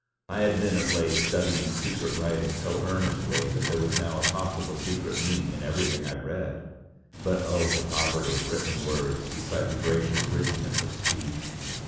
I had been of late studying secret writing so earnestly that there was now a possible secret meaning in everything I read. But oh! the poverty of written words beside the gracious richness of speech!